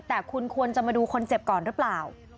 แต่คุณควรจะมาดูคนเจ็บก่อนหรือเปล่า